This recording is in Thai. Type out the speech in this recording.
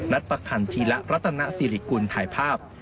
ประคันธีระรัตนสิริกุลถ่ายภาพ